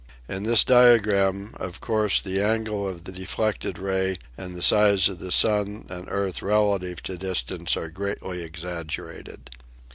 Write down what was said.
In this dia gram of course the angle of the deflected ray and the size of the sun and earth relative to distance are greatly exaggerated.